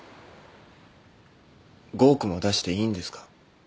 ５億も出していいんですか？